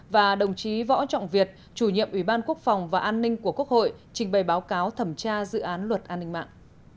và đồng chí võ trọng việt chủ nhiệm ủy ban quốc phòng và an ninh của quốc hội trình bày báo cáo thẩm tra dự án luật an ninh mạng